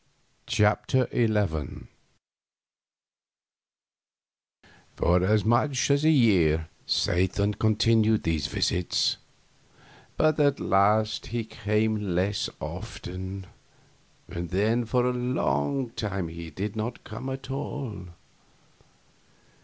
CHAPTER XI For as much as a year Satan continued these visits, but at last he came less often, and then for a long time he did not come at all.